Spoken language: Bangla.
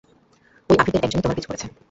ওই আভীরদের একজনই তোমার পিছু করছে।